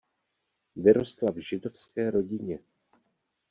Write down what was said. Vyrostla v židovské rodině.